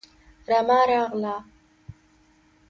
رمه راغله